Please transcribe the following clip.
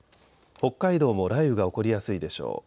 北海道も雷雨が起こりやすいでしょう。